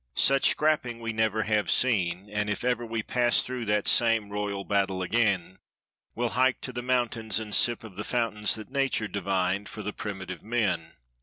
Such scrapping, we never have seen, and if ever We pass through that same royal battle again. We'll hike to the mountains and sip of the fountains That Nature divined for the primitive men.